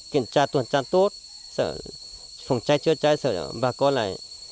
kiểm tra tuần trang tốt sợ phòng cháy chưa cháy sợ bà con lại